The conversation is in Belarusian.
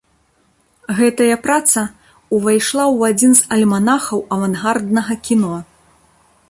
Гэтая праца ўвайшла ў адзін з альманахаў авангарднага кіно.